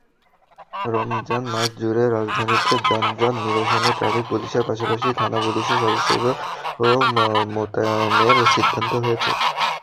রমজান মাসজুড়ে রাজধানীতে যানজট নিরসনে ট্রাফিক পুলিশের পাশাপাশি থানা-পুলিশের সদস্যদেরও মোতায়েনের সিদ্ধান্ত হয়েছে।